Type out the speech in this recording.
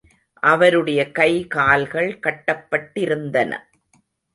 அவருடைய கை, கால்கள் கட்டப்பட்டிருந்தன.